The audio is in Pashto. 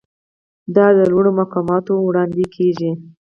دا لوړو مقاماتو ته وړاندې کیږي.